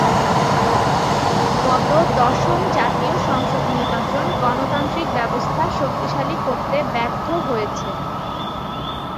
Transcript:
গত দশম জাতীয় সংসদ নির্বাচন গণতান্ত্রিক ব্যবস্থা শক্তিশালী করতে ব্যর্থ হয়েছে।